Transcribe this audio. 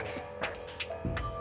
banyak banget rintangannya